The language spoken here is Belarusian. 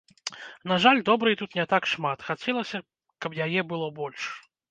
На жаль, добрай тут не так шмат, хацелася б, каб яе было больш.